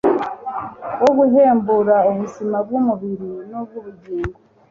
wo guhembura ubuzima bwumubiri nubwubugingo